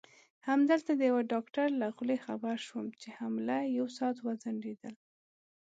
همدلته د یوه ډاکټر له خولې خبر شوم چې حمله یو ساعت وځنډېدل.